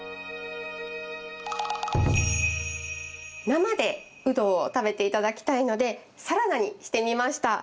生でウドを食べて頂きたいのでサラダにしてみました。